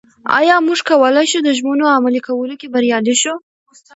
ایا موږ کولای شو د ژمنو عملي کولو کې بریالي شو؟